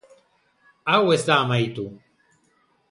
Hau ez da amaitu.